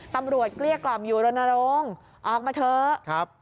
ตำรวจเกลี้ยกล่อมอยู่รณรงค์ออกมาเถอะ